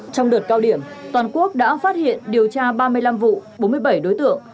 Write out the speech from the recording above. trong đợt cao điểm toàn quốc đã phát hiện điều tra ba mươi năm vụ bốn mươi bảy đối tượng